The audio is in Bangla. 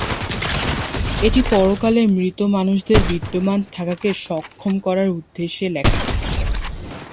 এটি পরকালে মৃত মানুষদের বিদ্যমান থাকাকে সক্ষম করার উদ্দেশ্যে লেখা।